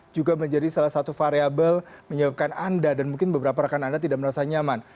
juga menjadi salah satu variable menyebabkan anda dan mungkin beberapa rekan anda tidak merasa nyaman